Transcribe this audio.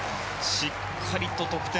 しっかりと得点。